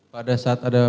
pada saat ada